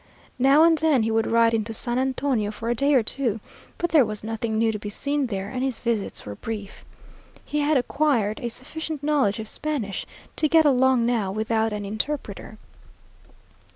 Now and then he would ride into San Antonio for a day or two, but there was nothing new to be seen there, and his visits were brief. He had acquired a sufficient knowledge of Spanish to get along now without an interpreter.